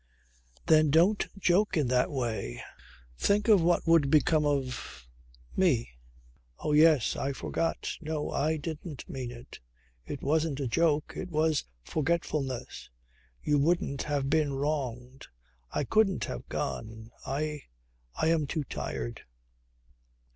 "Then don't joke in that way. Think of what would become of me." "Oh yes. I forgot. No, I didn't mean it. It wasn't a joke. It was forgetfulness. You wouldn't have been wronged. I couldn't have gone. I I am too tired."